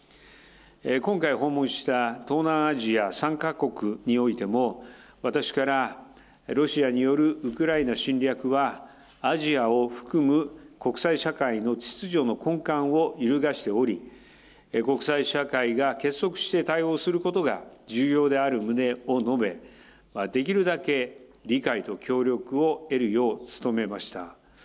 今回、訪問した東南アジア３か国においても、私からロシアによるウクライナ侵略は、アジアを含む国際社会の秩序の根幹を揺るがしており、国際社会が結束して対応することが重要である旨を述べ、できるだけ理解と協力を得るよう努めました。